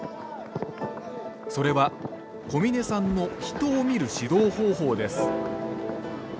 それは小嶺さんの人を見る指導方法です。